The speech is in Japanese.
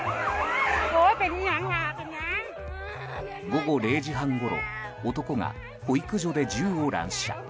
午後０時半ごろ男が保育所で銃を乱射。